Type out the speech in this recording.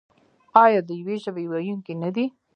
آیا د یوې ژبې ویونکي نه دي؟